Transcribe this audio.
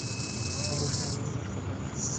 অবশ্যই আমি ওনার কথা শুনব।